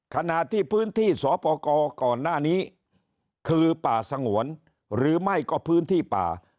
ขณะที่พื้นที่สปกรก่อนหน้านี้คือป่าสงวนหรือไม่ก็พื้นที่ป่า